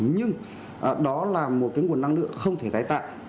nhưng đó là một cái nguồn năng lượng không thể đáy tạng